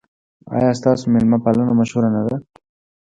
ایا ستاسو میلمه پالنه مشهوره نه ده؟